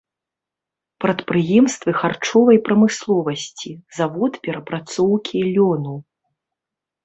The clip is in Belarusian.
Прадпрыемствы харчовай прамысловасці, завод перапрацоўкі лёну.